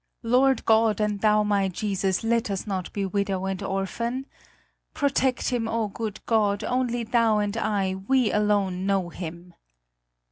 "Lord God and Thou my Jesus, let us not be widow and orphan! Protect him, oh, good God; only Thou and I, we alone know him!"